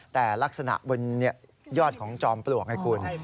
แต่ลักษณะบนยอดของจอมปลวกไงคุณ